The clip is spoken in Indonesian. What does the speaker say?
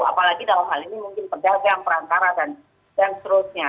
apalagi dalam hal ini mungkin pedagang perantara dan seterusnya